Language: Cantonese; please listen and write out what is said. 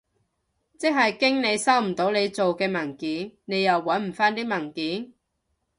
即係經理收唔到你做嘅文件，你又搵唔返啲文件？